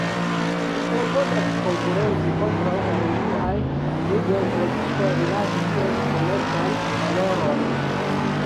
Ĝi klopodas konkurenci kontraŭ Olimpiaj Ludoj, precipe rilate ties komercan valoron.